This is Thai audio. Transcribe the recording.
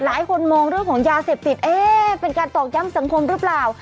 หลายคนมองเรื่องของยาเสพติดเอ๊ะเป็นการตอกย้ำสังคมหรือเปล่า